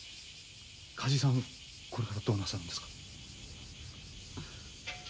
梶井さんこれからどうなさるんですか？